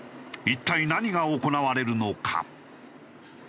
一体何が行われるのか？